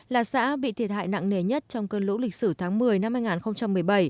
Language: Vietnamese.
là xã bị thiệt hại nặng nề nhất trong cơn lũ lịch sử tháng một mươi năm hai nghìn một mươi bảy